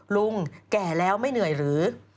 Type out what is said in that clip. แก่แล้วไม่เหนื่อยหรือ